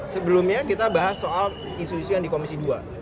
sebelumnya kita bahas soal isu isu yang di komisi dua